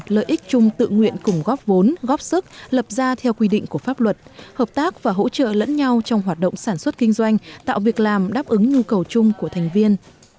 lợi ích chung tự nguyện cùng góp vốn góp sức lập ra theo quy định của pháp luật hợp tác và hỗ trợ lẫn nhau trong hoạt động sản xuất kinh doanh tạo việc làm đáp ứng nhu cầu chung của thành viên